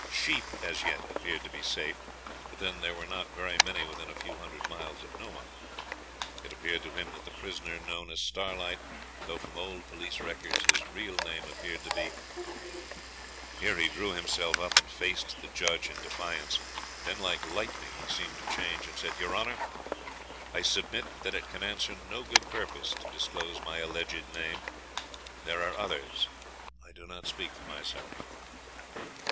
Sheep, as yet, appeared to be safe; but then there were not very many within a few hundred miles of Nomah. It appeared to him that the prisoner known as Starlight, though from old police records his real name appeared to be ' Here he drew himself up and faced the judge in defiance. Then like lightning he seemed to change, and said 'Your Honour, I submit that it can answer no good purpose to disclose my alleged name. There are others I do not speak for myself.'